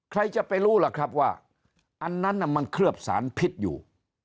ใครจะไปรู้ล่ะครับว่าอันนั้นมันเคลือบสารพิษอยู่